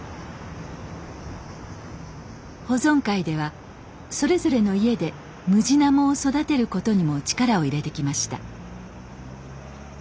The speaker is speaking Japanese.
保存会ではそれぞれの家でムジナモを育てることにも力を入れてきました。